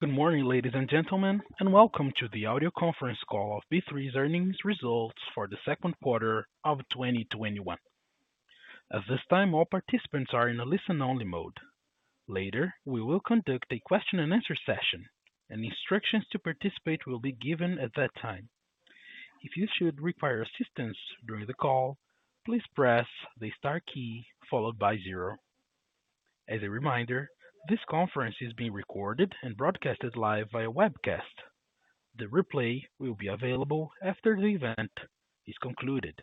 Good morning, ladies and gentlemen, and welcome to the audio conference call of B3's earnings results for the second quarter of 2021. At this time, all participants are in a listen-only mode. Later, we will conduct a question and answer session, and instructions to participate will be given at that time. If you should require assistance during the call, please press the star key followed by zero. As a reminder, this conference is being recorded and broadcasted live via webcast. The replay will be available after the event is concluded.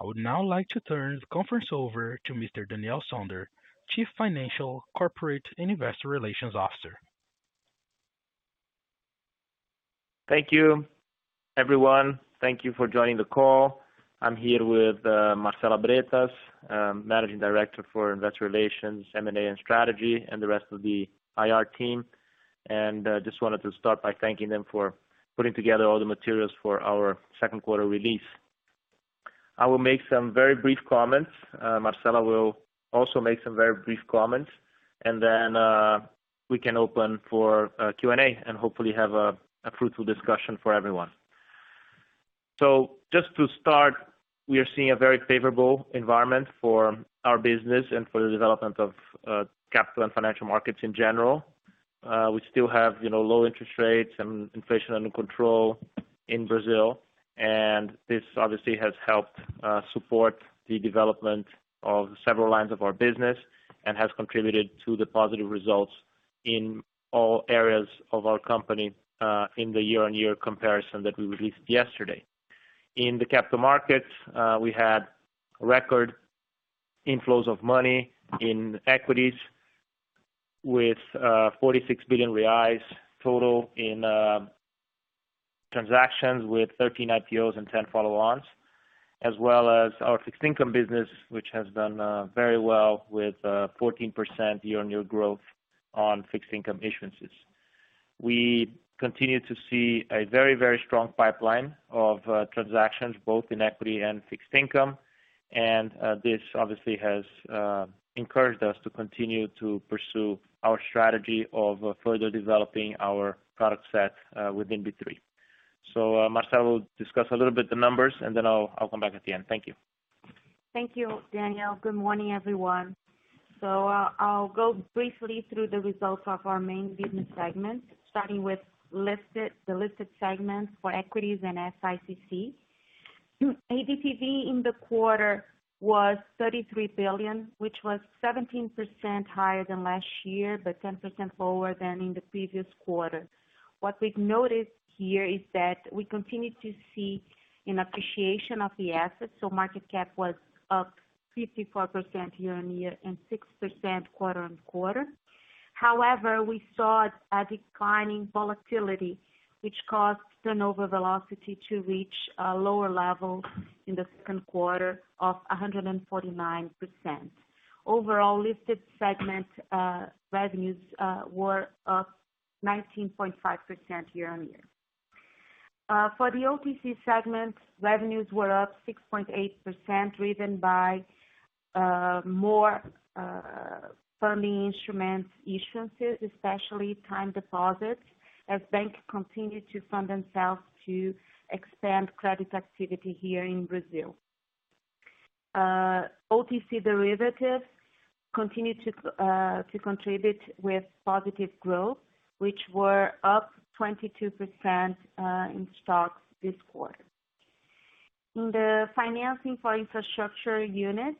I would now like to turn the conference over to Mr. Daniel Sonder, Chief Financial and Investor Relations Officer. Thank you, everyone. Thank you for joining the call. I'm here with Marcela Bretas, Managing Director for Investor Relations, M&A, and Strategy, and the rest of the IR team. Just wanted to start by thanking them for putting together all the materials for our second quarter release. I will make some very brief comments. Marcela will also make some very brief comments. Then we can open for Q&A and hopefully have a fruitful discussion for everyone. Just to start, we are seeing a very favorable environment for our business and for the development of capital and financial markets in general. We still have low interest rates and inflation under control in Brazil. This obviously has helped support the development of several lines of our business and has contributed to the positive results in all areas of our company in the year-on-year comparison that we released yesterday. In the capital markets, we had record inflows of money in equities with 46 billion reais total in transactions with 13 IPOs and 10 follow-ons, as well as our fixed income business, which has done very well with 14% year-on-year growth on fixed income issuances. We continue to see a very strong pipeline of transactions, both in equity and fixed income. This obviously has encouraged us to continue to pursue our strategy of further developing our product set within B3. Marcela will discuss a little bit the numbers, and then I'll come back at the end. Thank you. Thank you, Daniel. Good morning, everyone. I'll go briefly through the results of our main business segments, starting with the listed segment for equities and FICC. ADTV in the quarter was 33 billion, which was 17% higher than last year, but 10% lower than in the previous quarter. What we've noticed here is that we continue to see an appreciation of the assets, so market cap was up 54% year-on-year and 6% quarter-on-quarter. However, we saw a decline in volatility, which caused turnover velocity to reach a lower level in the second quarter of 149%. Overall, listed segment revenues were up 19.5% year-on-year. For the OTC segment, revenues were up 6.8%, driven by more funding instrument issuances, especially time deposits, as banks continue to fund themselves to expand credit activity here in Brazil. OTC derivatives continue to contribute with positive growth, which were up 22% in stocks this quarter. In the financing for infrastructure unit,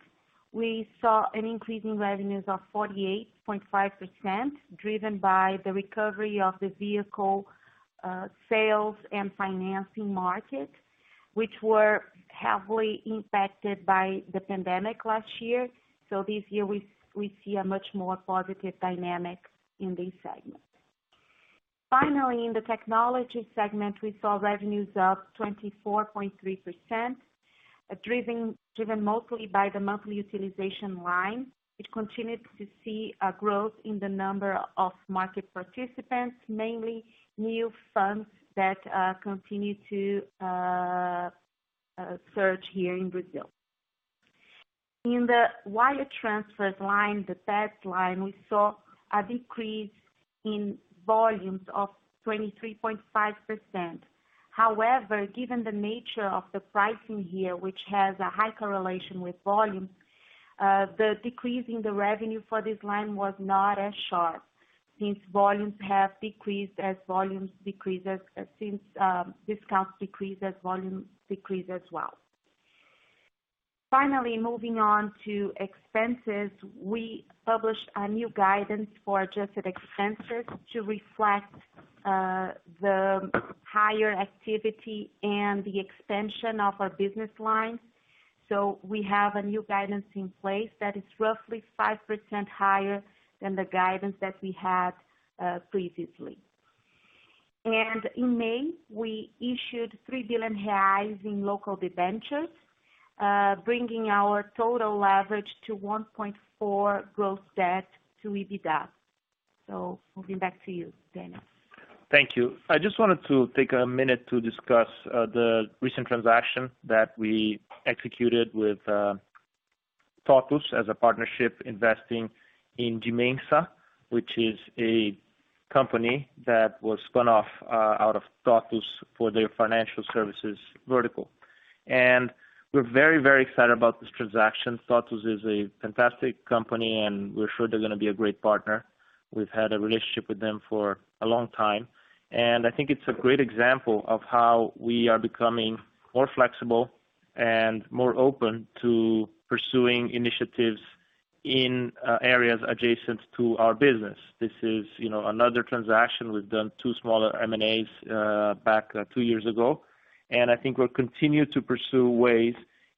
we saw an increase in revenues of 48.5%, driven by the recovery of the vehicle sales and financing market, which were heavily impacted by the pandemic last year. This year we see a much more positive dynamic in this segment. Finally, in the technology segment, we saw revenues up 24.3%, driven mostly by the monthly utilization line, which continued to see a growth in the number of market participants, mainly new firms that continue to surge here in Brazil. In the wire transfers line, the third line, we saw a decrease in volumes of 23.5%. However, given the nature of the pricing here, which has a high correlation with volume, the decrease in the revenue for this line was not as sharp since discounts decrease as volumes decrease as well. Finally, moving on to expenses. We published a new guidance for adjusted expenses to reflect the higher activity and the expansion of our business lines. We have a new guidance in place that is roughly 5% higher than the guidance that we had previously. In May, we issued 3 billion reais in local debentures, bringing our total leverage to 1.4x gross debt to EBITDA. Moving back to you, Daniel. Thank you. I just wanted to take a minute to discuss the recent transaction that we executed with TOTVS as a partnership investing in Dimensa, which is a company that was spun off out of TOTVS for their financial services vertical. We're very excited about this transaction. TOTVS is a fantastic company, and we're sure they're going to be a great partner. We've had a relationship with them for a long time, and I think it's a great example of how we are becoming more flexible and more open to pursuing initiatives in areas adjacent to our business. This is another transaction. We've done two smaller M&As back two years ago. I think we'll continue to pursue ways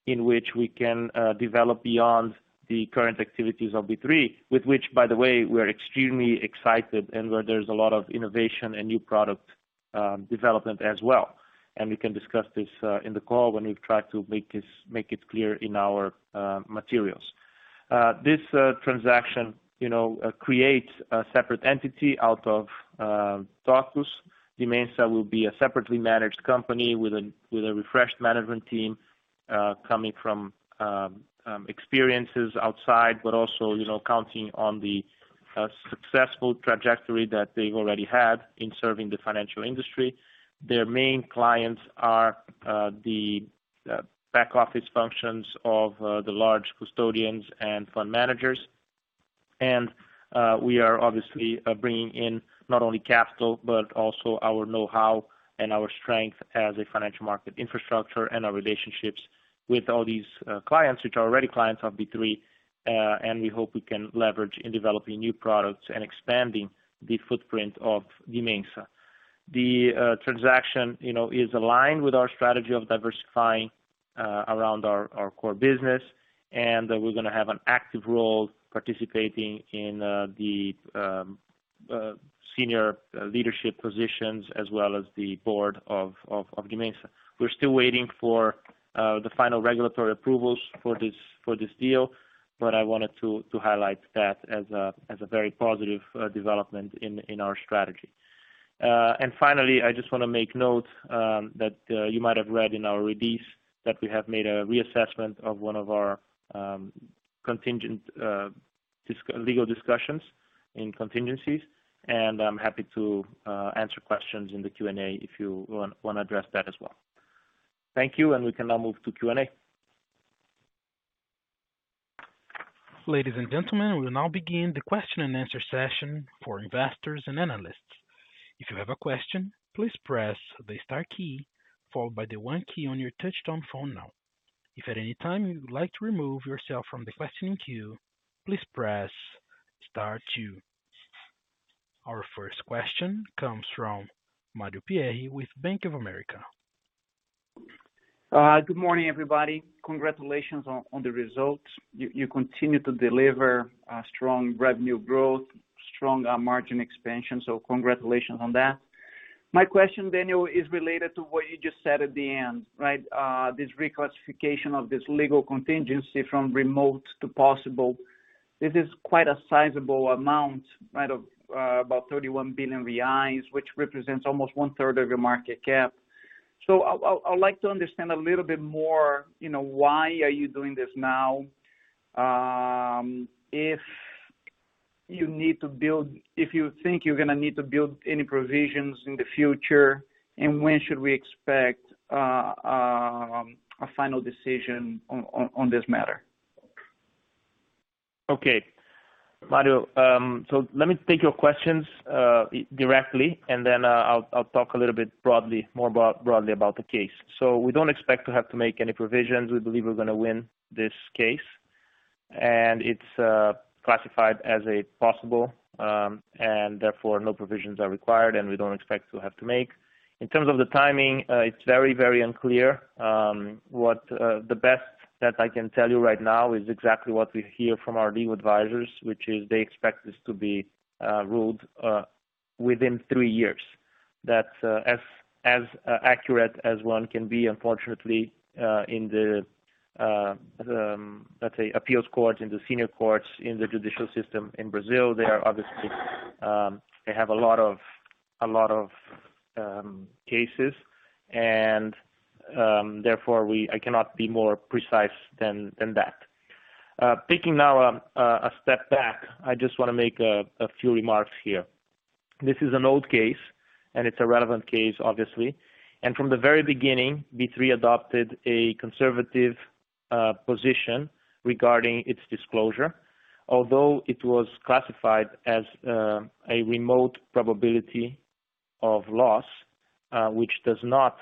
in which we can develop beyond the current activities of B3, with which, by the way, we're extremely excited and where there's a lot of innovation and new product development as well. We can discuss this in the call when we try to make it clear in our materials. This transaction creates a separate entity out of TOTVS. Dimensa will be a separately managed company with a refreshed management team, coming from experiences outside, but also counting on the successful trajectory that they've already had in serving the financial industry. Their main clients are the back office functions of the large custodians and fund managers. We are obviously bringing in not only capital, but also our know-how and our strength as a financial market infrastructure and our relationships with all these clients, which are already clients of B3. We hope we can leverage in developing new products and expanding the footprint of Dimensa. The transaction is aligned with our strategy of diversifying around our core business, and we're going to have an active role participating in the senior leadership positions as well as the board of Dimensa. We're still waiting for the final regulatory approvals for this deal, but I wanted to highlight that as a very positive development in our strategy. Finally, I just want to make note that you might have read in our release that we have made a reassessment of one of our contingent legal discussions in contingencies. I'm happy to answer questions in the Q&A if you want to address that as well. Thank you. We can now move to Q&A. Ladies and gentlemen, we will now begin the question and answer session for investors and analysts. If you have a question, please press the star key followed by the 1 key on your touch-tone phone now. If at any time you would like to remove yourself from the questioning queue, please press star 2. Our first question comes from Mario Pierry with Bank of America. Good morning, everybody. Congratulations on the results. You continue to deliver strong revenue growth, strong margin expansion. Congratulations on that. My question, Daniel, is related to what you just said at the end, right? This reclassification of this legal contingency from remote to possible. This is quite a sizable amount, right? Of about 31 billion reais, which represents almost one-third of your market cap. I'd like to understand a little bit more, why are you doing this now? If you think you're going to need to build any provisions in the future, and when should we expect a final decision on this matter? Okay. Mario, let me take your questions directly, I'll talk a little bit more broadly about the case. We don't expect to have to make any provisions. We believe we're going to win this case, it's classified as possible, therefore, no provisions are required, and we don't expect to have to make any. In terms of the timing, it's very unclear. The best that I can tell you right now is exactly what we hear from our legal advisors, which is they expect this to be ruled within 3 years. That's as accurate as one can be, unfortunately, in the, let's say, appeals courts, in the senior courts, in the judicial system in Brazil. They have a lot of cases, therefore I cannot be more precise than that. Taking now a step back, I just want to make a few remarks here. This is an old case, and it's a relevant case, obviously. From the very beginning, B3 adopted a conservative position regarding its disclosure. Although it was classified as a remote probability of loss, which does not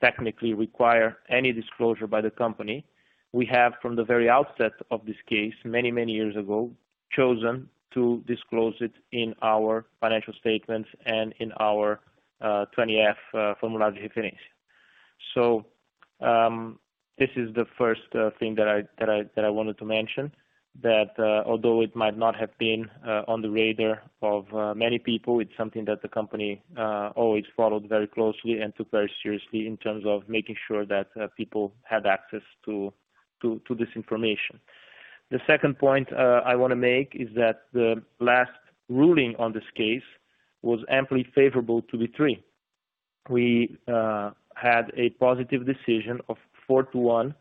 technically require any disclosure by the company, we have, from the very outset of this case many years ago, chosen to disclose it in our financial statements and in our 20-F formulário de referência. This is the first thing that I wanted to mention, that although it might not have been on the radar of many people, it's something that the company always followed very closely and took very seriously in terms of making sure that people had access to this information. The second point I want to make is that the last ruling on this case was amply favorable to B3. We had a positive decision of four to one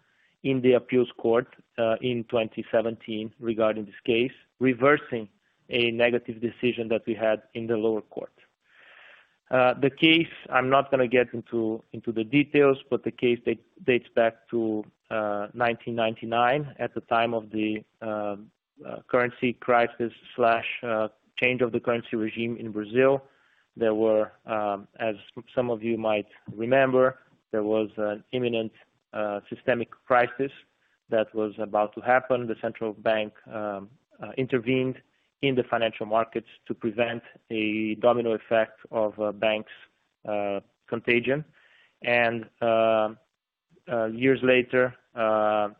in the appeals court in 2017 regarding this case, reversing a negative decision that we had in the lower court. The case, I'm not going to get into the details, but the case dates back to 1999 at the time of the currency crisis/change of the currency regime in Brazil. There were, as some of you might remember, there was an imminent systemic crisis that was about to happen. The central bank intervened in the financial markets to prevent a domino effect of banks contagion. Years later,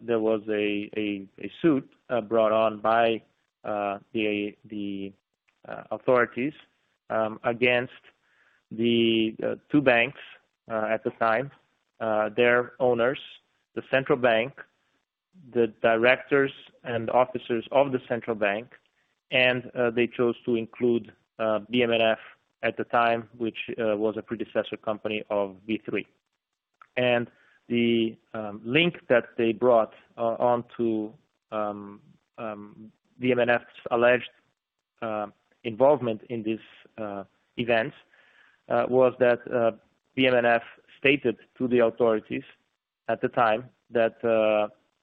there was a suit brought on by the authorities against the two banks at the time, their owners, the central bank, the directors and officers of the central bank, and they chose to include BM&F at the time, which was a predecessor company of B3. The link that they brought onto BM&F's alleged involvement in these events was that BM&F stated to the authorities at the time that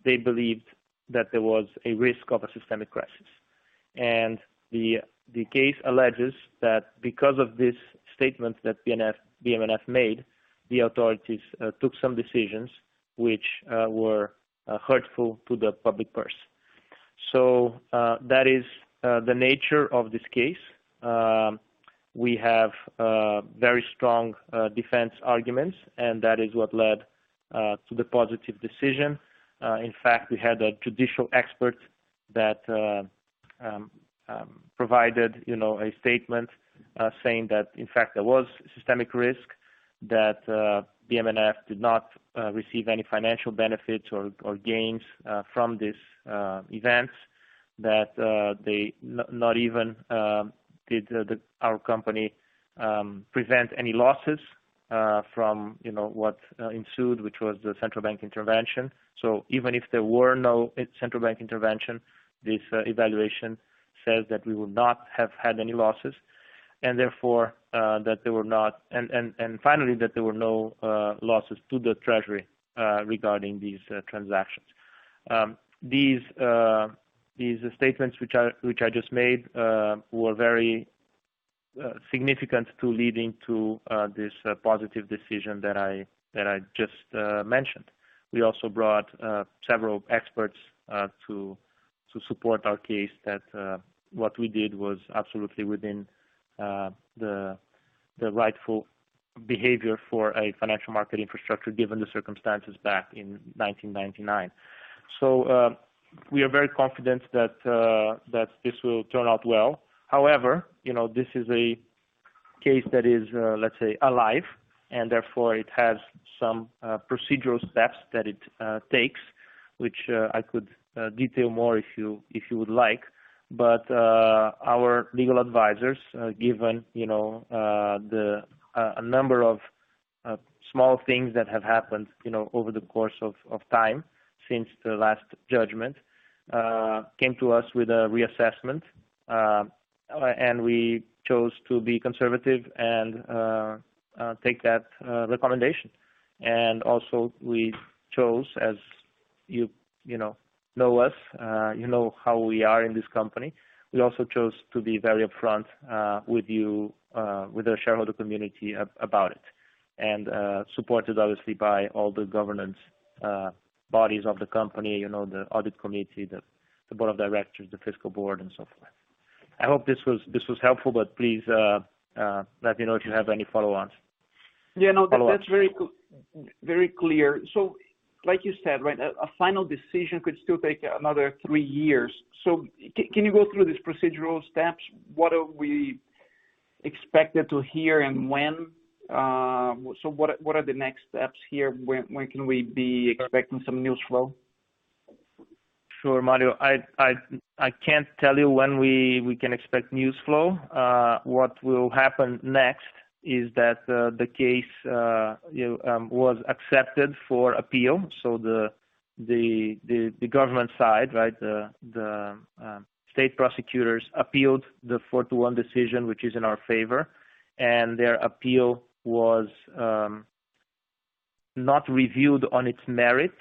they believed that there was a risk of a systemic crisis. The case alleges that because of this statement that BM&F made, the authorities took some decisions which were hurtful to the public purse. That is the nature of this case. We have very strong defense arguments, and that is what led to the positive decision. In fact, we had a judicial expert that provided a statement saying that, in fact, there was systemic risk, that BM&F did not receive any financial benefits or gains from these events. That not even our company prevented any losses from what ensued, which was the central bank intervention. Even if there were no central bank intervention, this evaluation says that we would not have had any losses, and finally, that there were no losses to the treasury regarding these transactions. These statements which I just made were very significant in leading to this positive decision that I just mentioned. We also brought several experts to support our case that what we did was absolutely within the rightful behavior for a financial market infrastructure, given the circumstances back in 1999. We are very confident that this will turn out well. This is a case that is, let's say, alive, and therefore it has some procedural steps that it takes, which I could detail more if you would like. Our legal advisors, given a number of small things that have happened over the course of time since the last judgment, came to us with a reassessment, and we chose to be conservative and take that recommendation. We chose, as you know us, you know how we are in this company, we also chose to be very upfront with you, with our shareholder community about it, and supported, obviously, by all the governance bodies of the company, the audit committee, the board of directors, the fiscal board, and so forth. I hope this was helpful, but please let me know if you have any follow-ons. Yeah, no, that's very clear. Like you said, right, a final decision could still take another 3 years. Can you go through these procedural steps? What are we expected to hear and when? What are the next steps here? When can we be expecting some news flow? Sure, Mario. I can't tell you when we can expect news flow. What will happen next is that the case was accepted for appeal. The government side, the state prosecutors appealed the four to one decision, which is in our favor. Their appeal was not reviewed on its merit,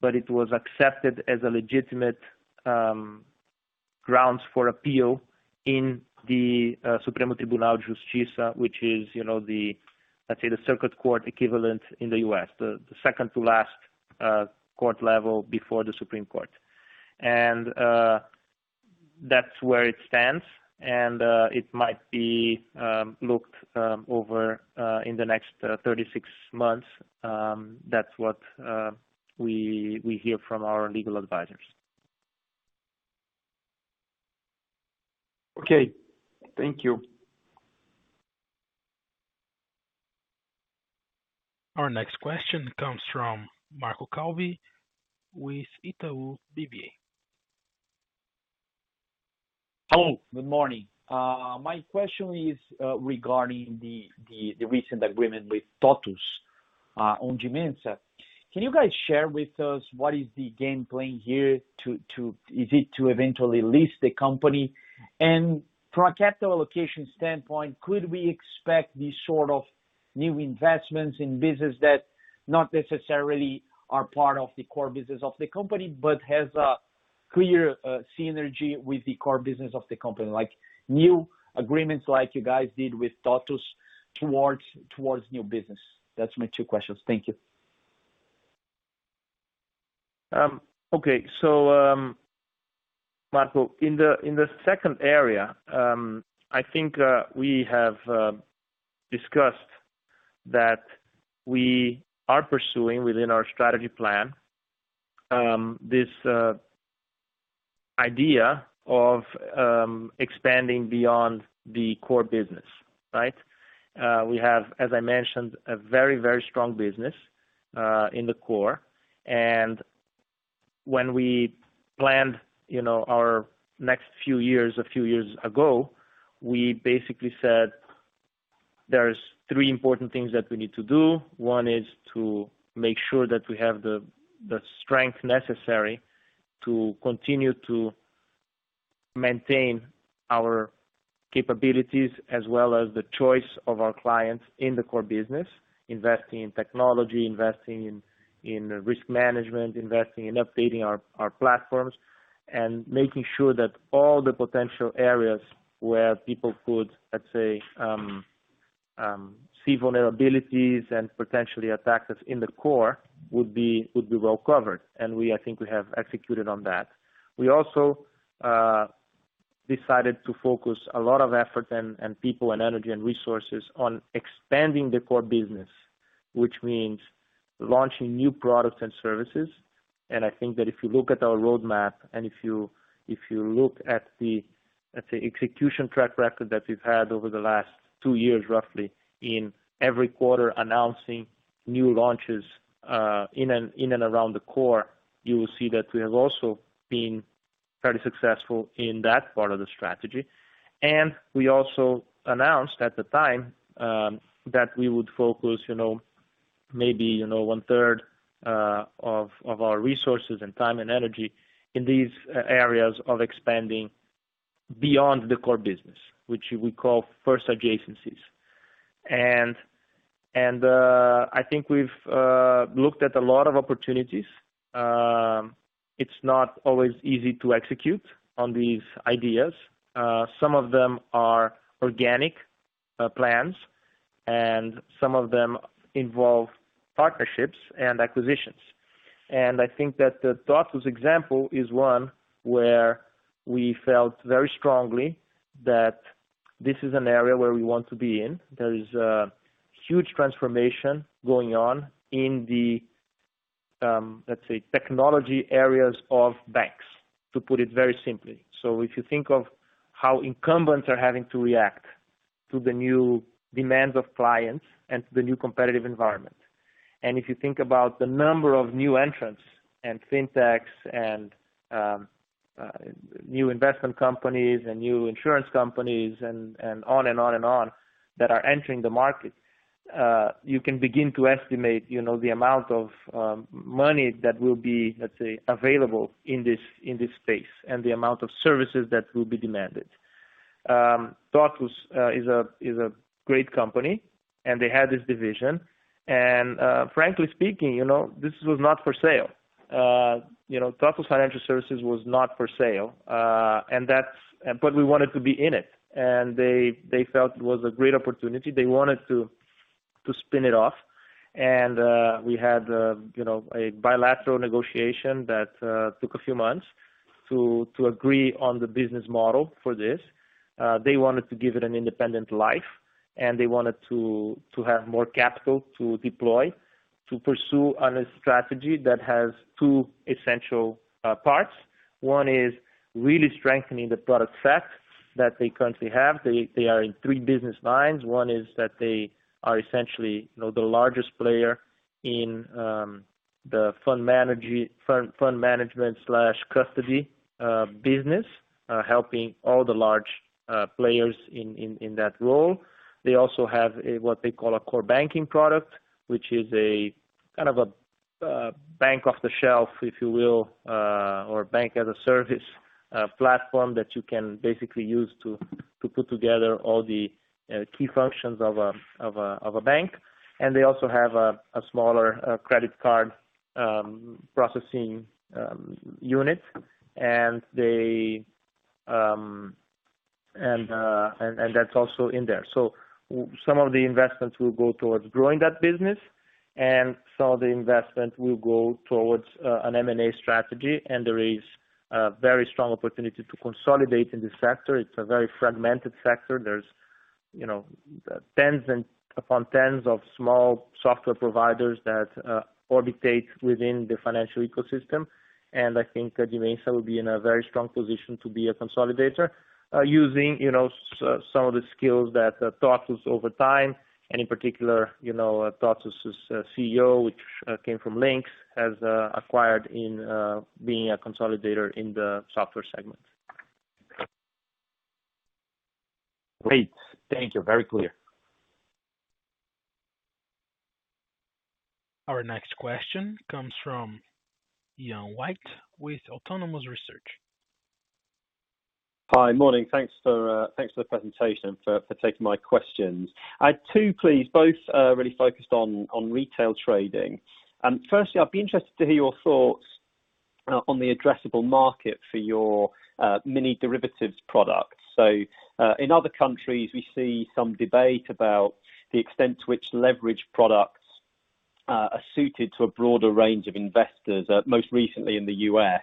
but it was accepted as legitimate grounds for appeal in the Superior Tribunal de Justiça which is the, let's say, the circuit court equivalent in the U.S., the second to last court level before the Supreme Court. That's where it stands, and it might be looked over in the next 36 months. That's what we hear from our legal advisors. Okay. Thank you. Our next question comes from Marco Calvi with Itaú BBA. Hello. Good morning. My question is regarding the recent agreement with TOTVS on Dimensa. Can you guys share with us what is the game plan here? Is it to eventually list the company? From a capital allocation standpoint, could we expect these sort of new investments in business that not necessarily are part of the core business of the company, but has a clear synergy with the core business of the company, like new agreements like you guys did with TOTVS towards new business? That's my two questions. Thank you. Okay. Marco, in the second area, I think we have discussed that we are pursuing within our strategy plan, this idea of expanding beyond the core business. Right? We have, as I mentioned, a very strong business in the core. When we planned our next few years, a few years ago, we basically said there's three important things that we need to do. One is to make sure that we have the strength necessary to continue to maintain our capabilities as well as the choice of our clients in the core business, investing in technology, investing in risk management, investing in updating our platforms, and making sure that all the potential areas where people could, let's say, see vulnerabilities and potentially attack us in the core would be well covered. We, I think we have executed on that. We also decided to focus a lot of effort and people and energy and resources on expanding the core business, which means launching new products and services. I think that if you look at our roadmap and if you look at the, let's say, execution track record that we've had over the last 2 years roughly in every quarter announcing new launches in and around the core, you will see that we have also been fairly successful in that part of the strategy. We also announced at the time, that we would focus maybe one-third of our resources and time and energy in these areas of expanding beyond the core business, which we call first adjacencies. I think we've looked at a lot of opportunities. It's not always easy to execute on these ideas. Some of them are organic plans, and some of them involve partnerships and acquisitions. I think that the TOTVS example is one where we felt very strongly that this is an area where we want to be in. There is a huge transformation going on in the, let's say, technology areas of banks, to put it very simply. If you think of how incumbents are having to react to the new demands of clients and to the new competitive environment. If you think about the number of new entrants and fintechs and new investment companies and new insurance companies and on and on that are entering the market, you can begin to estimate the amount of money that will be, let's say, available in this space and the amount of services that will be demanded. TOTVS is a great company, and they had this division. Frankly speaking, this was not for sale. TOTVS Financial Services was not for sale. We wanted to be in it, and they felt it was a great opportunity. They wanted to spin it off. We had a bilateral negotiation that took a few months to agree on the business model for this. They wanted to give it an independent life, and they wanted to have more capital to deploy to pursue on a strategy that has two essential parts. One is really strengthening the product set that they currently have. They are in 3 business lines. One is that they are essentially the largest player in the fund management/custody business, helping all the large players in that role. They also have what they call a core banking product, which is a kind of a bank off-the-shelf, if you will, or bank-as-a-service platform that you can basically use to put together all the key functions of a bank. They also have a smaller credit card processing unit. That's also in there. Some of the investments will go towards growing that business, and some of the investment will go towards an M&A strategy. There is a very strong opportunity to consolidate in this sector. It's a very fragmented sector. There's tens upon tens of small software providers that orbit within the financial ecosystem. I think Dimensa will be in a very strong position to be a consolidator, using some of the skills that TOTVS over time, and in particular, TOTVS' CEO, which came from Linx, has acquired in being a consolidator in the software segment. Great. Thank you. Very clear. Our next question comes from Ian White with Autonomous Research. Hi. Morning. Thanks for the presentation, and for taking my questions. I had two, please, both really focused on retail trading. Firstly, I'd be interested to hear your thoughts on the addressable market for your mini derivatives products. In other countries, we see some debate about the extent to which leverage products are suited to a broader range of investors, most recently in the U.S.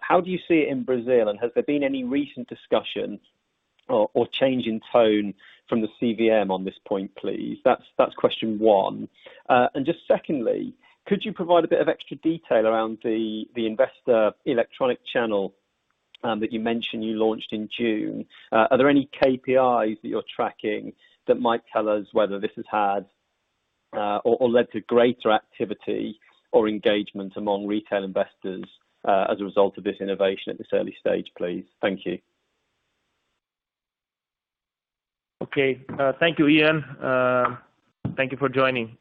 How do you see it in Brazil, and has there been any recent discussion or change in tone from the CVM on this point, please? That's question one. Just secondly, could you provide a bit of extra detail around the investor electronic channel that you mentioned you launched in June? Are there any KPIs that you're tracking that might tell us whether this has had or led to greater activity or engagement among retail investors, as a result of this innovation at this early stage, please? Thank you. Okay. Thank you, Ian. Thank you for joining.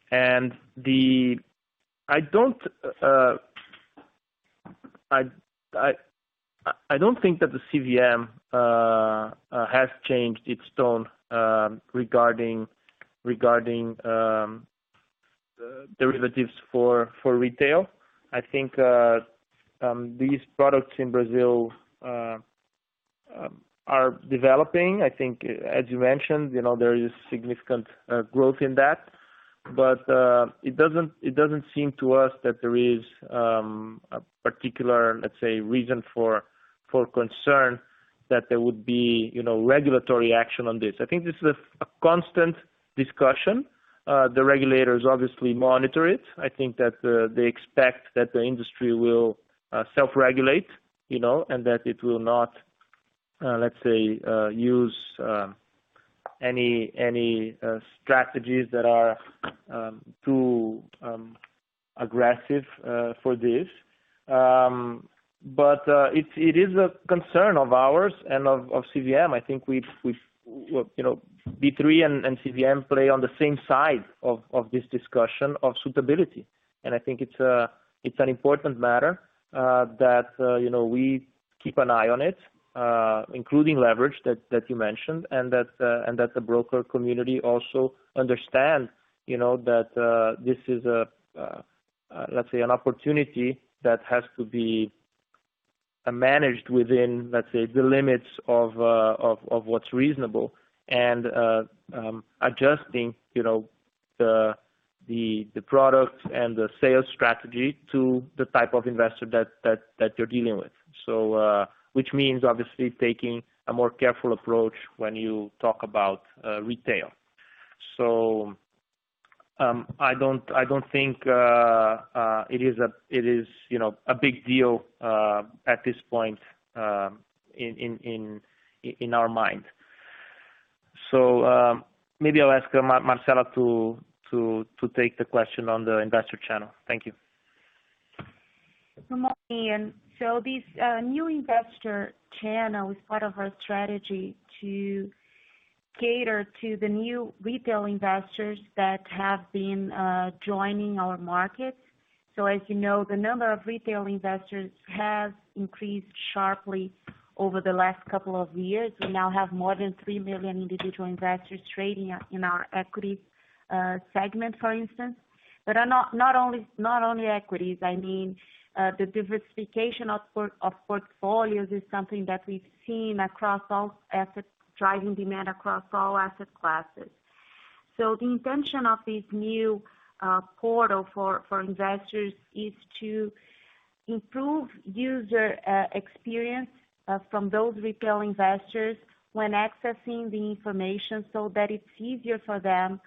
I don't think that the CVM has changed its tone regarding derivatives for retail. I think these products in Brazil are developing. I think, as you mentioned, there is significant growth in that. It doesn't seem to us that there is a particular, let's say, reason for concern that there would be regulatory action on this. I think this is a constant discussion. The regulators obviously monitor it. I think that they expect that the industry will self-regulate, and that it will not, let's say, use any strategies that are too aggressive for this. It is a concern of ours and of CVM. I think B3 and CVM play on the same side of this discussion of suitability. I think it's an important matter that we keep an eye on it, including leverage that you mentioned, and that the broker community also understand that this is, let's say, an opportunity that has to be managed within, let's say, the limits of what's reasonable and adjusting the product and the sales strategy to the type of investor that you're dealing with. Which means, obviously, taking a more careful approach when you talk about retail. I don't think it is a big deal at this point in our mind. Maybe I'll ask Marcela to take the question on the investor channel. Thank you. Good morning, Ian. This new investor channel is part of our strategy to cater to the new retail investors that have been joining our market. As you know, the number of retail investors has increased sharply over the last couple of years. We now have more than 3 million individual investors trading in our equity segment, for instance. Not only equities, I mean, the diversification of portfolios is something that we've seen driving demand across all asset classes. The intention of this new portal for investors is to improve user experience from those retail investors when accessing the information, so that it's easier for them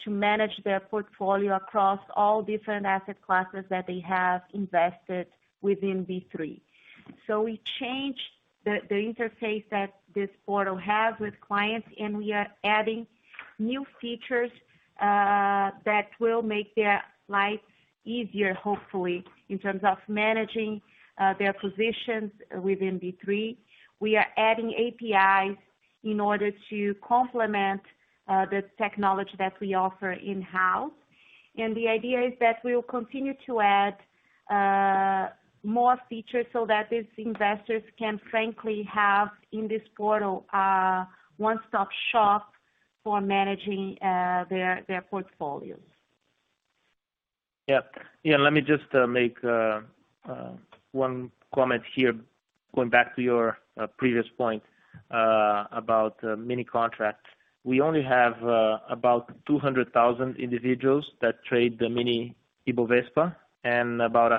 to manage their portfolio across all different asset classes that they have invested within B3. We changed the interface that this portal has with clients, and we are adding new features that will make their lives easier, hopefully, in terms of managing their positions within B3. We are adding APIs in order to complement the technology that we offer in-house. The idea is that we will continue to add more features so that these investors can frankly have, in this portal, a one-stop shop for managing their portfolios. Ian, let me just make one comment here, going back to your previous point about mini contracts. We only have about 200,000 individuals that trade the mini Ibovespa, and about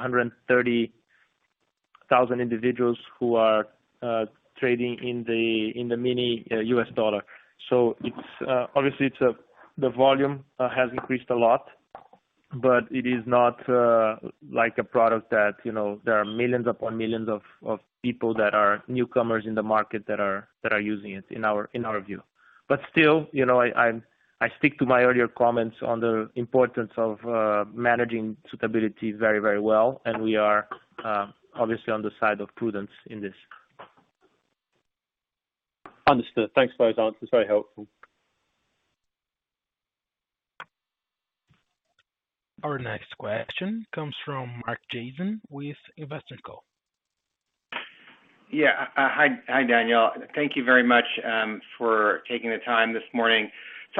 130,000 individuals who are trading in the mini US dollar. Obviously, the volume has increased a lot, but it is not like a product that there are millions upon millions of people that are newcomers in the market that are using it, in our view. Still, I stick to my earlier comments on the importance of managing suitability very, very well, and we are obviously on the side of prudence in this. Understood. Thanks for those answers. Very helpful. Our next question comes from Mark Jason with Invesco. Yeah. Hi, Daniel. Thank you very much for taking the time this morning.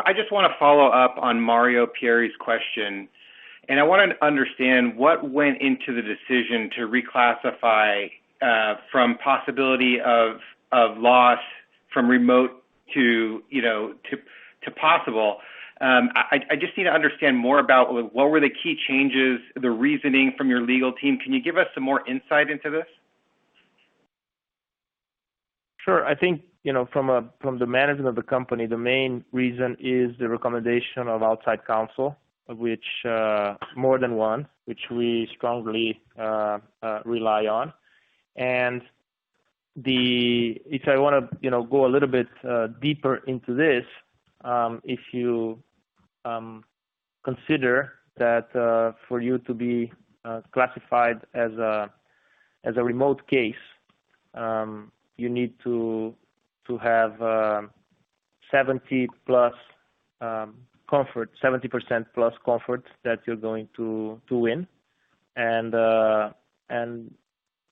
I just want to follow up on Mario Pierry's question, and I want to understand what went into the decision to reclassify from possibility of loss from remote to possible. I just need to understand more about what were the key changes, the reasoning from your legal team. Can you give us some more insight into this? Sure. I think, from the management of the company, the main reason is the recommendation of outside counsel, which more than one, which we strongly rely on. If I want to go a little bit deeper into this, if you consider that for you to be classified as a remote case, you need to have 70% plus comfort that you're going to win.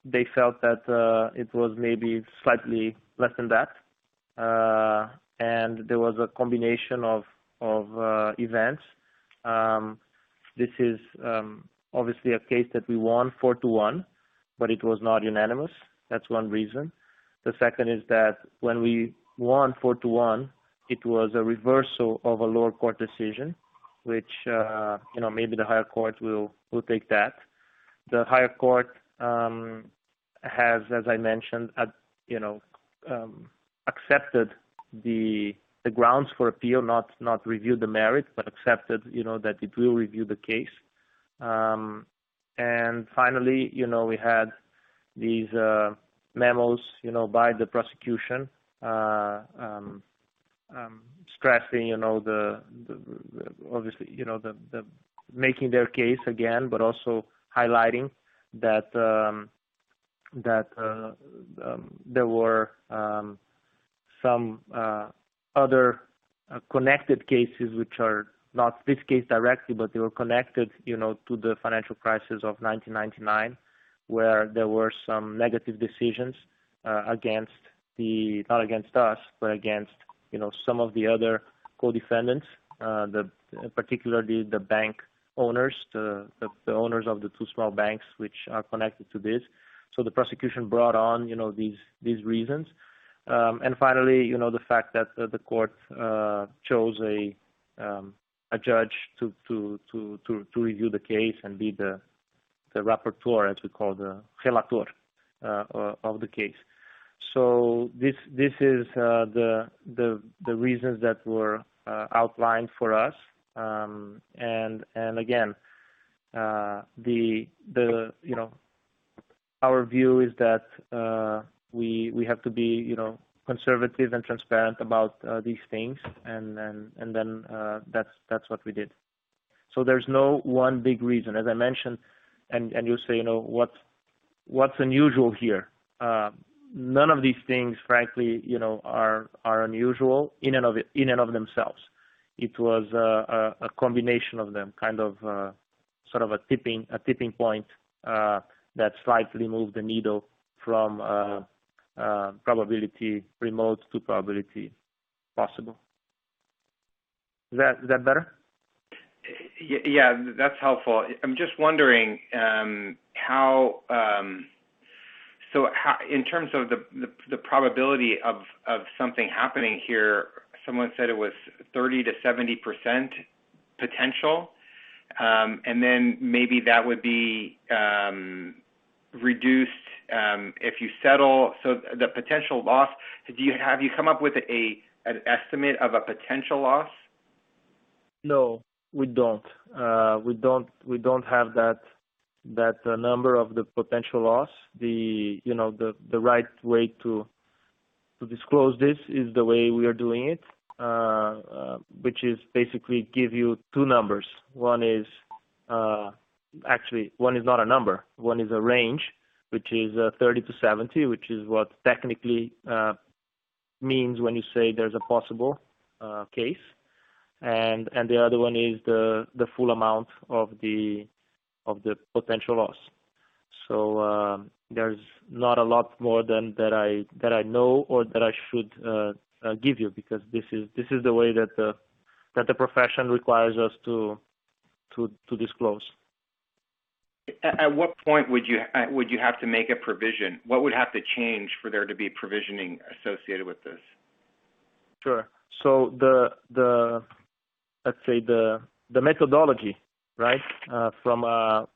They felt that it was maybe slightly less than that. There was a combination of events. This is obviously a case that we won 4 to 1, but it was not unanimous. That's one reason. The second is that when we won 4 to 1, it was a reversal of a lower court decision, which maybe the higher court will take that. The higher court has, as I mentioned accepted the grounds for appeal, not reviewed the merit, but accepted that it will review the case. Finally, we had these memos by the prosecution stressing, obviously, making their case again, but also highlighting that there were some other connected cases, which are not this case directly, but they were connected to the financial crisis of 1999, where there were some negative decisions against the, not against us, but against some of the other co-defendants, particularly the bank owners, the owners of the two small banks which are connected to this. The prosecution brought on these reasons. Finally, the fact that the court chose a judge to review the case and be the rapporteur, as we call, the relator of the case. This is the reasons that were outlined for us. Again, our view is that we have to be conservative and transparent about these things. That's what we did. There's no one big reason, as I mentioned, and you say, what's unusual here? None of these things, frankly, are unusual in and of themselves. It was a combination of them, kind of a tipping point that slightly moved the needle from probability remote to probability possible. Is that better? Yeah, that's helpful. I'm just wondering, in terms of the probability of something happening here, someone said it was 30%-70% potential, and then maybe that would be reduced if you settle, so the potential loss, have you come up with an estimate of a potential loss? No, we don't. We don't have that number of the potential loss. The right way to disclose this is the way we are doing it, which is basically give you 2 numbers. 1 is, actually, 1 is not a number. 1 is a range, which is 30-70, which is what technically means when you say there's a possible case. The other one is the full amount of the potential loss. There's not a lot more that I know or that I should give you because this is the way that the profession requires us to disclose. At what point would you have to make a provision? What would have to change for there to be provisioning associated with this? Sure. Let's say the methodology from a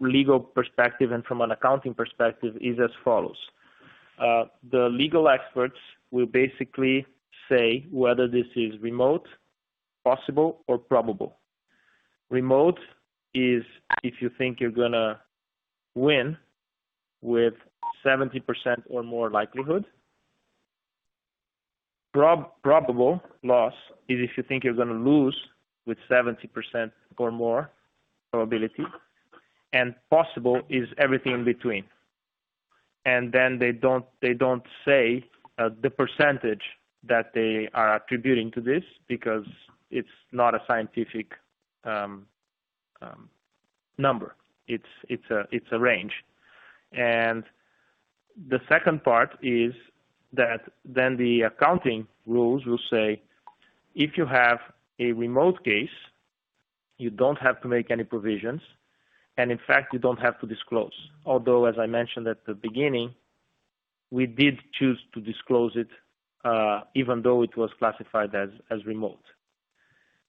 legal perspective and from an accounting perspective is as follows. The legal experts will basically say whether this is remote, possible, or probable. Remote is if you think you're going to win with 70% or more likelihood. Probable loss is if you think you're going to lose with 70% or more probability. Possible is everything in between. They don't say the percentage that they are attributing to this because it's not a scientific number. It's a range. The second part is that then the accounting rules will say, if you have a remote case, you don't have to make any provisions, and in fact, you don't have to disclose. Although, as I mentioned at the beginning, we did choose to disclose it, even though it was classified as remote.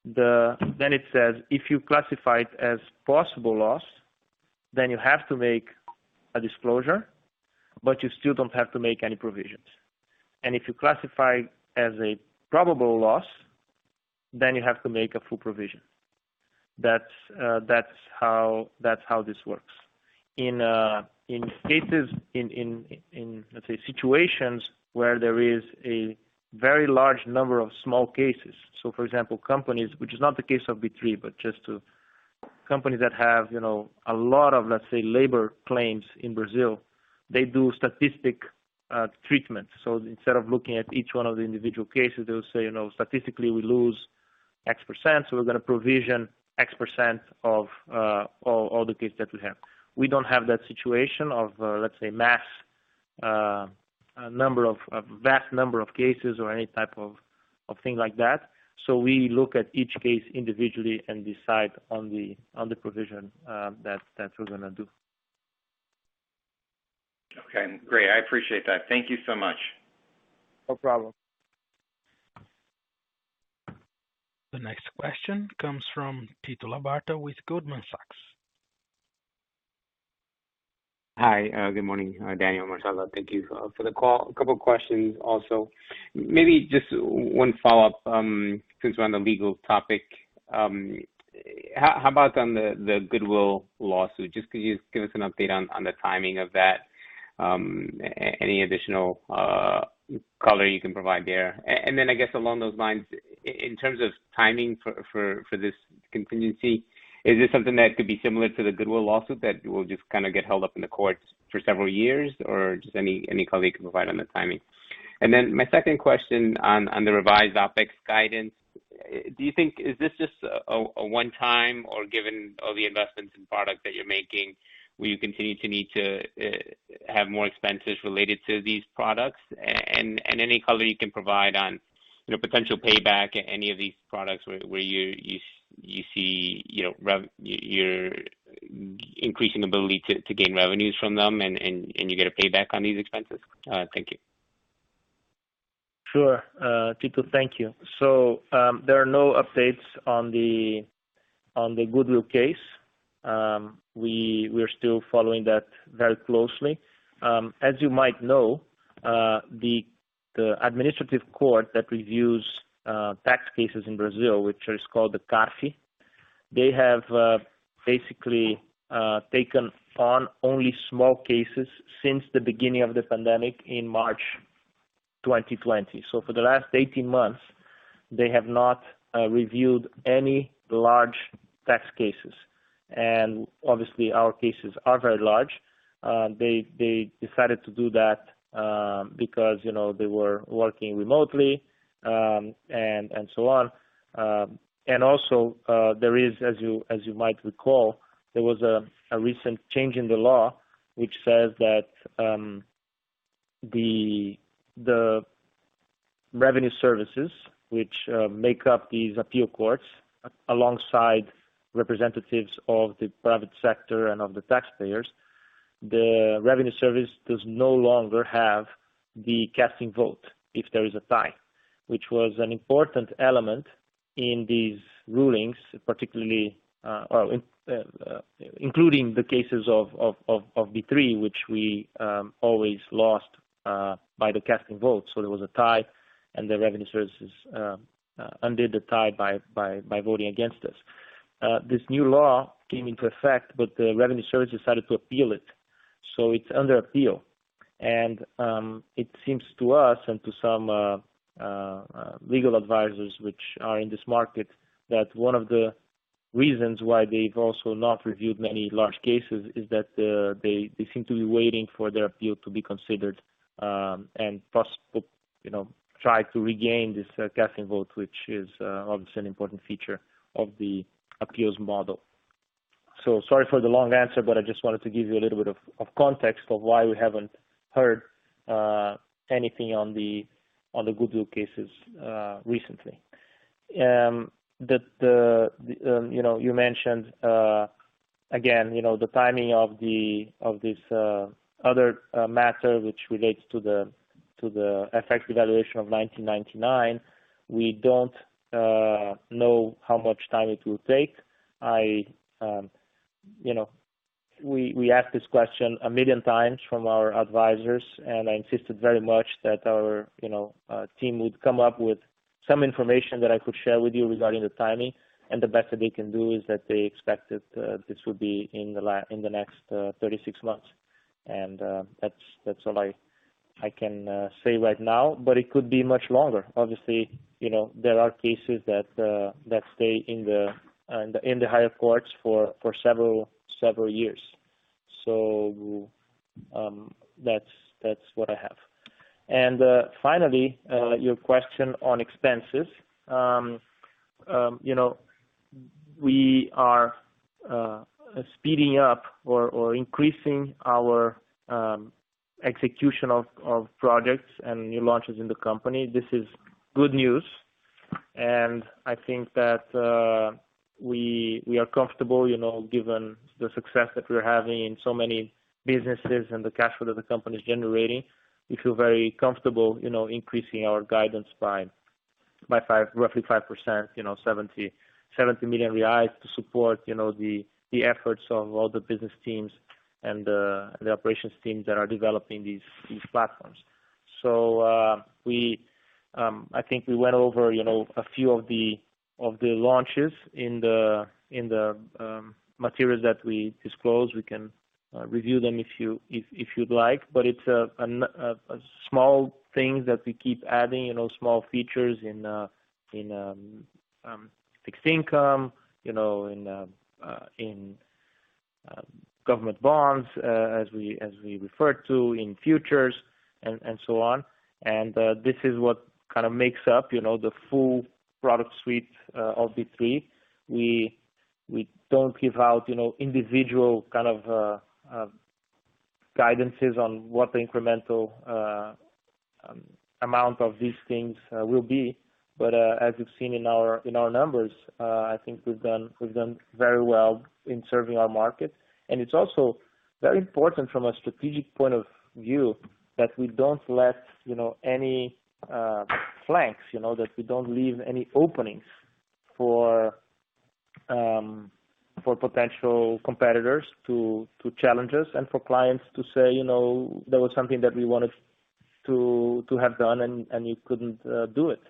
It says, if you classify it as possible loss, then you have to make a disclosure, but you still don't have to make any provisions. If you classify as a probable loss, then you have to make a full provision. That's how this works. In situations where there is a very large number of small cases, for example, companies, which is not the case of B3, but just to companies that have a lot of, let's say, labor claims in Brazil, they do statistical treatments. Instead of looking at each 1 of the individual cases, they'll say, "Statistically, we lose X%, so we're going to provision X% of all the cases that we have." We don't have that situation of, let's say, vast number of cases or any type of thing like that. We look at each case individually and decide on the provision that we're going to do. Okay, great. I appreciate that. Thank you so much. No problem. The next question comes from Tito Labarta with Goldman Sachs. Hi, good morning, Daniel Marcela. Thank you for the call. A couple questions also. Maybe just one follow-up, since we're on the legal topic. How about on the goodwill lawsuit? Just could you give us an update on the timing of that? Any additional color you can provide there? I guess along those lines, in terms of timing for this contingency, is this something that could be similar to the goodwill lawsuit that will just kind of get held up in the courts for several years? Or just any color you can provide on the timing. My second question on the revised OpEx guidance, do you think, is this just a one-time, or given all the investments in products that you're making, will you continue to need to have more expenses related to these products? Any color you can provide on potential payback at any of these products where you see you're increasing ability to gain revenues from them, and you get a payback on these expenses? Thank you. Sure. Tito, thank you. There are no updates on the goodwill case. We're still following that very closely. As you might know, the administrative court that reviews tax cases in Brazil, which is called the CARF, they have basically taken on only small cases since the beginning of the pandemic in March 2020. For the last 18 months, they have not reviewed any large tax cases. Obviously, our cases are very large. They decided to do that because they were working remotely, and so on. Also, there is, as you might recall, there was a recent change in the law which says that the revenue services, which make up these appeal courts, alongside representatives of the private sector and of the taxpayers, the Revenue Service does no longer have the casting vote if there is a tie, which was an important element in these rulings, including the cases of B3, which we always lost by the casting vote. There was a tie, and the Revenue Services undid the tie by voting against us. This new law came into effect, but the Revenue Service decided to appeal it. It's under appeal. It seems to us and to some legal advisors which are in this market, that one of the reasons why they've also not reviewed many large cases is that they seem to be waiting for the appeal to be considered, and try to regain this casting vote, which is obviously an important feature of the appeals model. Sorry for the long answer, but I just wanted to give you a little bit of context of why we haven't heard anything on the goodwill cases recently. You mentioned, again, the timing of this other matter which relates to the FX revaluation of 1999. We don't know how much time it will take. We ask this question a million times from our advisors. I insisted very much that our team would come up with some information that I could share with you regarding the timing. The best that they can do is that they expect that this would be in the next 36 months. That's all I can say right now, but it could be much longer. Obviously, there are cases that stay in the higher courts for several years. That's what I have. Finally, your question on expenses. We are speeding up or increasing our execution of projects and new launches in the company. This is good news. I think that we are comfortable given the success that we're having in so many businesses and the cash flow that the company is generating. We feel very comfortable increasing our guidance by roughly 5%, 70 million reais to support the efforts of all the business teams and the operations teams that are developing these platforms. I think we went over a few of the launches in the materials that we disclosed. We can review them if you'd like, but it's a small thing that we keep adding, small features in fixed income, in government bonds as we referred to, in futures and so on. This is what kind of makes up the full product suite of B3. We don't give out individual kind of guidances on what the incremental amount of these things will be. As you've seen in our numbers, I think we've done very well in serving our market. It's also very important from a strategic point of view that we don't let any flanks, that we don't leave any openings for potential competitors to challenge us and for clients to say there was something that we wanted to have done, and you couldn't do it.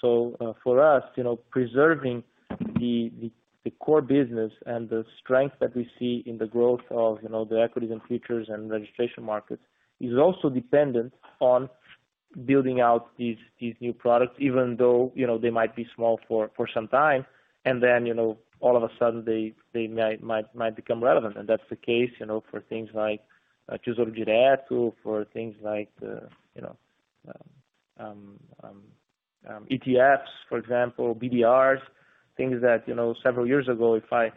For us, preserving the core business and the strength that we see in the growth of the equities and futures and registration markets is also dependent on building out these new products, even though they might be small for some time, and then all of a sudden they might become relevant. That's the case for things like ETFs, for example, BDRs, things that several years ago, if I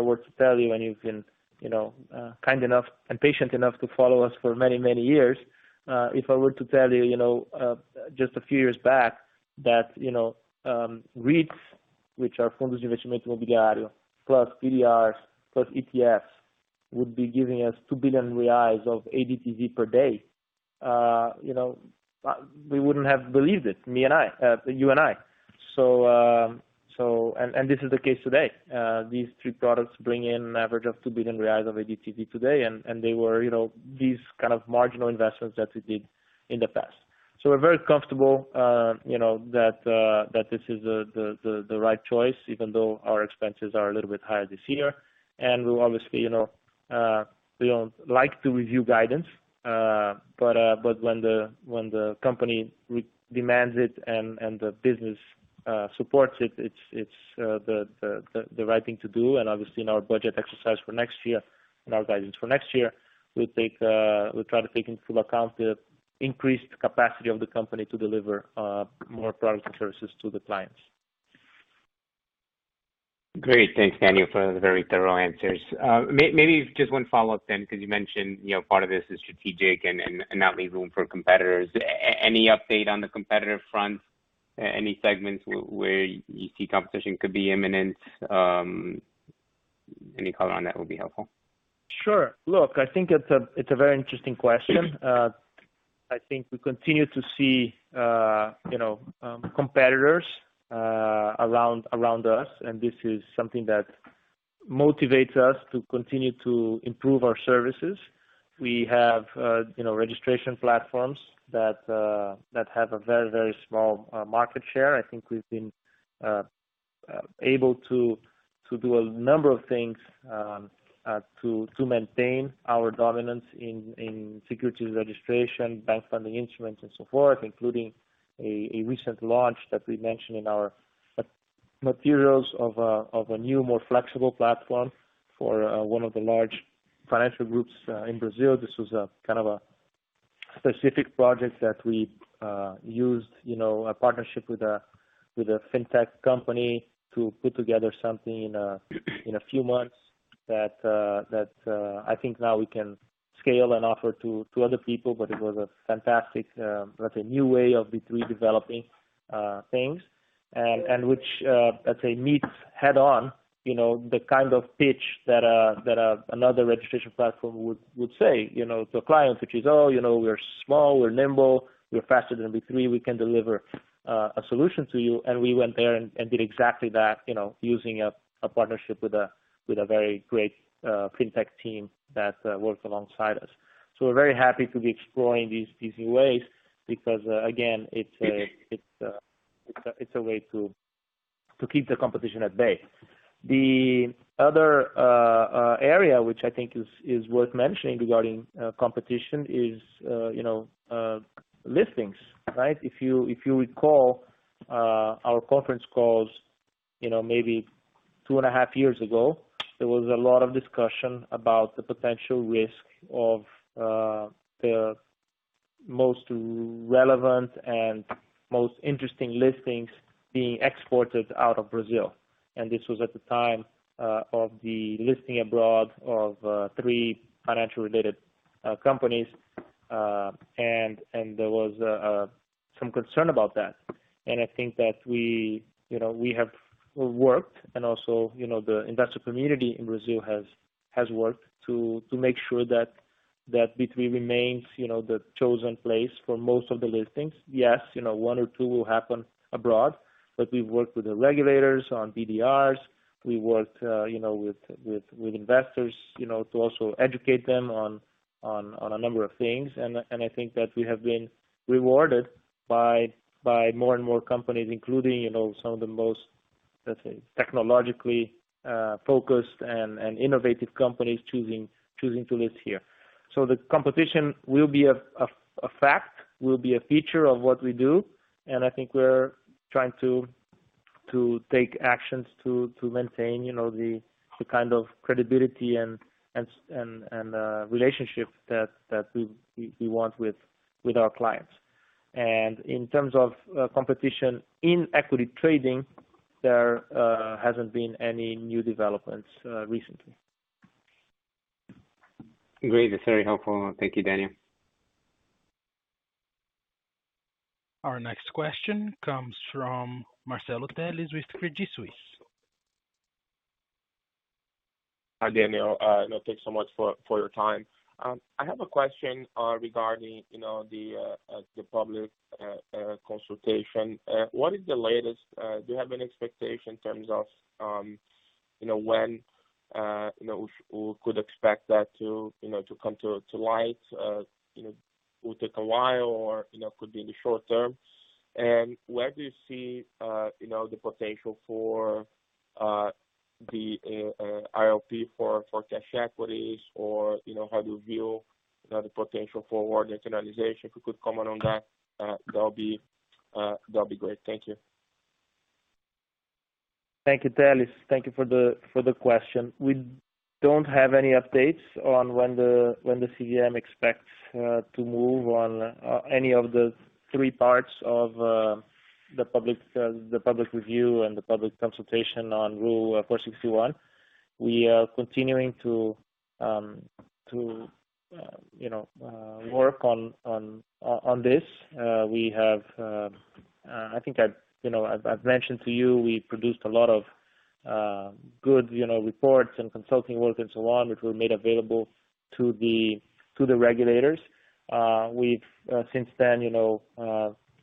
were to tell you, and you've been kind enough and patient enough to follow us for many, many years. If I were to tell you just a few years back that REITs, which are fundos de investimento imobiliário, plus BDRs plus ETFs would be giving us 2 billion reais of ADTV per day, we wouldn't have believed it, you and I. This is the case today. These 3 products bring in an average of 2 billion reais of ADTV today, and they were these kind of marginal investments that we did in the past. We're very comfortable that this is the right choice, even though our expenses are a little bit higher this year. We obviously don't like to review guidance, but when the company demands it and the business supports it's the right thing to do. Obviously in our budget exercise for next year and our guidance for next year, we'll try to take into account the increased capacity of the company to deliver more products and services to the clients. Great. Thanks, Daniel, for the very thorough answers. Maybe just one follow-up, because you mentioned part of this is strategic and not leave room for competitors. Any update on the competitive front? Any segments where you see competition could be imminent? Any color on that would be helpful. Sure. Look, I think it's a very interesting question. I think we continue to see competitors around us, and this is something that motivates us to continue to improve our services. We have registration platforms that have a very, very small market share. I think we've been able to do a number of things to maintain our dominance in securities registration, bank funding instruments, and so forth, including a recent launch that we mentioned in our materials of a new, more flexible platform for one of the large financial groups in Brazil. This was kind of a specific project that we used a partnership with a fintech company to put together something in a few months that I think now we can scale and offer to other people. It was a fantastic, a new way of B3 developing things, and which, let's say, meets head on the kind of pitch that another registration platform would say to a client, which is, "Oh, we're small, we're nimble, we're faster than B3. We can deliver a solution to you." We went there and did exactly that using a partnership with a very great fintech team that works alongside us. We're very happy to be exploring these new ways because, again, it's a way to keep the competition at bay. The other area which I think is worth mentioning regarding competition is listings. If you recall our conference calls maybe 2.5 years ago, there was a lot of discussion about the potential risk of the most relevant and most interesting listings being exported out of Brazil. This was at the time of the listing abroad of three financial-related companies, and there was some concern about that. I think that we have worked, and also the investor community in Brazil has worked to make sure that B3 remains the chosen place for most of the listings. Yes, one or two will happen abroad, but we've worked with the regulators on BDRs. We worked with investors to also educate them on a number of things. I think that we have been rewarded by more and more companies, including some of the most, let's say, technologically focused and innovative companies choosing to list here. The competition will be a fact, will be a feature of what we do, and I think we're trying to take actions to maintain the kind of credibility and relationship that we want with our clients. In terms of competition in equity trading, there hasn't been any new developments recently. Great. That's very helpful. Thank you, Daniel. Our next question comes from Marcelo Telles with Credit Suisse. Hi, Daniel. Thanks so much for your time. I have a question regarding the public consultation. What is the latest? Do you have any expectation in terms of when we could expect that to come to light? Will take a while or could be in the short term? Where do you see the potential for the RLP for cash equities, or how do you view the potential for market internalization? If you could comment on that'd be great. Thank you. Thank you, Telles. Thank you for the question. We don't have any updates on when the CVM expects to move on any of the three parts of the public review and the public consultation on Rule 461. We are continuing to work on this. I think I've mentioned to you, we produced a lot of good reports and consulting work and so on, which were made available to the regulators. We've since then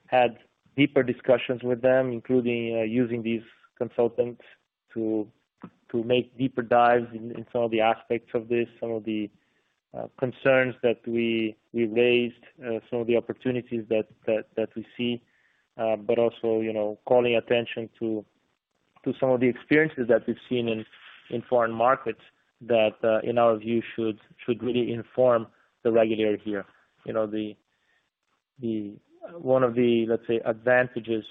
had deeper discussions with them, including using these consultants to make deeper dives in some of the aspects of this, some of the concerns that we raised, some of the opportunities that we see. Also calling attention to some of the experiences that we've seen in foreign markets that, in our view, should really inform the regulator here. One of the, let's say, advantages,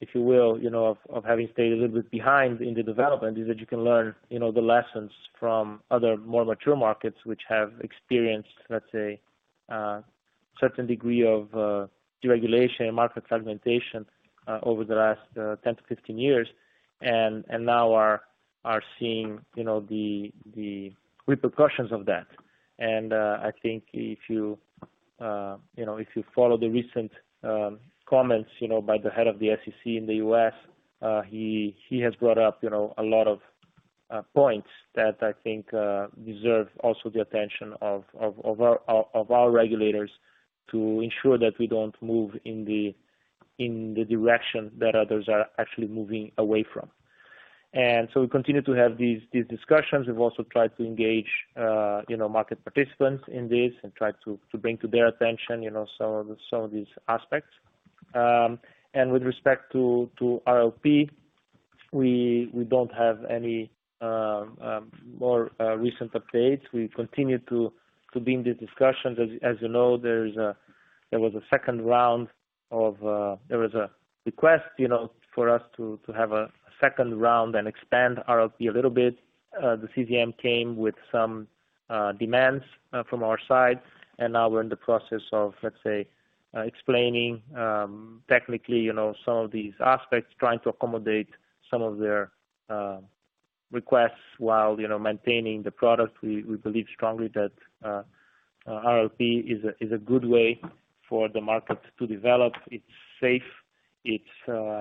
if you will of having stayed a little bit behind in the development is that you can learn the lessons from other more mature markets which have experienced, let's say, a certain degree of deregulation and market fragmentation over the last 10 to 15 years, and now are seeing the repercussions of that. I think if you follow the recent comments by the head of the SEC in the U.S., he has brought up a lot of points that I think deserve also the attention of our regulators to ensure that we don't move in the direction that others are actually moving away from. We continue to have these discussions. We've also tried to engage market participants in this and try to bring to their attention some of these aspects. With respect to RLP, we don't have any more recent updates. We continue to be in the discussions. As you know, there was a request for us to have a second round and expand RLP a little bit. The CVM came with some demands from our side. Now we're in the process of, let's say, explaining technically some of these aspects, trying to accommodate some of their requests while maintaining the product. We believe strongly that RLP is a good way for the market to develop. It's safe, it's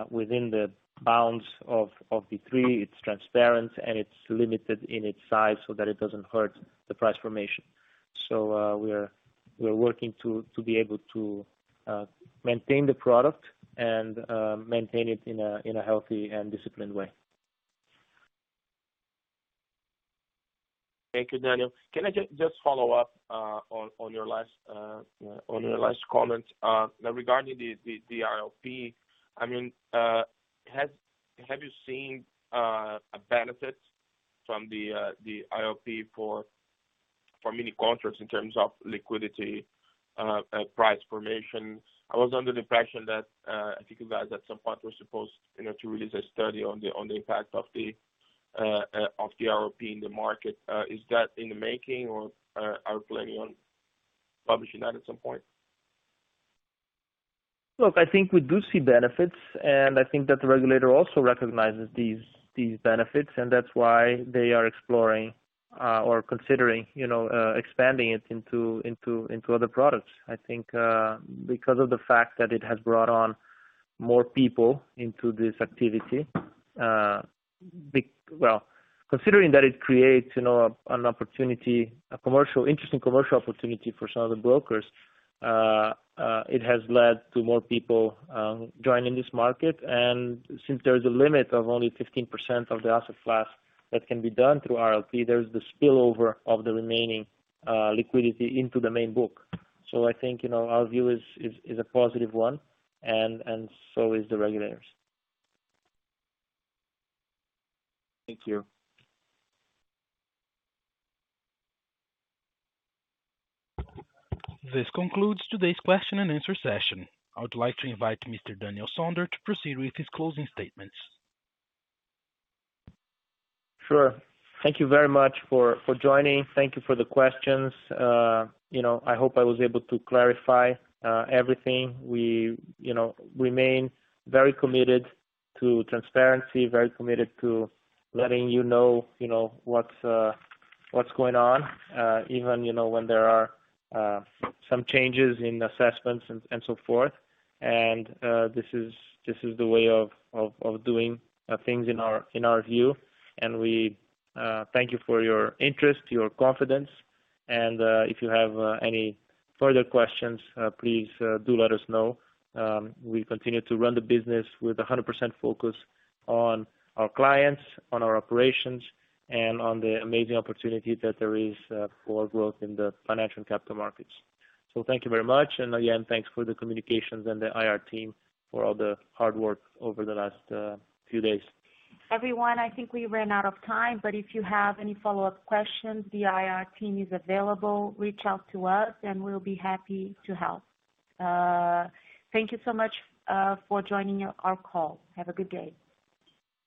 within the bounds of B3, it's transparent, and it's limited in its size so that it doesn't hurt the price formation. We're working to be able to maintain the product and maintain it in a healthy and disciplined way. Thank you, Daniel. Can I just follow up on your last comment regarding the RLP? Have you seen a benefit from the RLP for many contracts in terms of liquidity price formation? I was under the impression that I think you guys at some point were supposed to release a study on the impact of the RLP in the market. Is that in the making, or are you planning on publishing that at some point? Look, I think we do see benefits, and I think that the regulator also recognizes these benefits, and that's why they are exploring or considering expanding it into other products. I think because of the fact that it has brought on more people into this activity. Well, considering that it creates an interesting commercial opportunity for some of the brokers, it has led to more people joining this market. Since there is a limit of only 15% of the asset class that can be done through RLP, there's the spillover of the remaining liquidity into the main book. I think our view is a positive one, and so is the regulators. Thank you. This concludes today's question and answer session. I would like to invite Mr. Daniel Sonder to proceed with his closing statements. Sure. Thank you very much for joining. Thank you for the questions. I hope I was able to clarify everything. We remain very committed to transparency, very committed to letting you know what's going on, even when there are some changes in assessments and so forth. This is the way of doing things in our view. We thank you for your interest, your confidence, and if you have any further questions, please do let us know. We continue to run the business with 100% focus on our clients, on our operations, and on the amazing opportunity that there is for growth in the financial and capital markets. Thank you very much, and again, thanks for the communications and the IR team for all the hard work over the last few days. Everyone, I think we ran out of time, but if you have any follow-up questions, the IR team is available. Reach out to us, and we'll be happy to help. Thank you so much for joining our call. Have a good day.